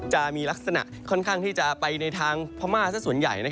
จะมีลักษณะค่อนข้างที่จะไปในทางพม่าสักส่วนใหญ่